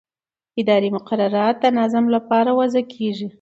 اداري مقررات د نظم لپاره وضع کېږي.